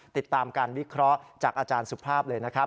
ติดตามการวิเคราะห์จากอาจารย์สุภาพเลยนะครับ